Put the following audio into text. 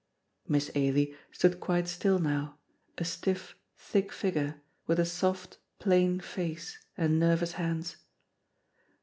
Miss Ailie stood quite still now, a stiff, thick figure, with a soft, plain face and nervous hands.